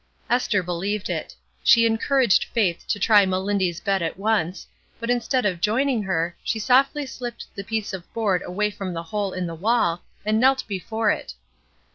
Esther believed it. She encouraged Faith to try Melindy's bed at once; but instead of 182 ESTER RIED'S NAMESAKE joining her, she softly sHpped the piece of board away from the hole in the wall, and knelt before it.